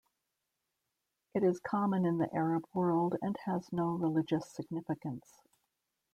It is common in the Arab world and has no religious significance.